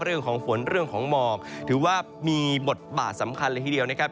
เรื่องของฝนเรื่องของหมอกถือว่ามีบทบาทสำคัญเลยทีเดียวนะครับ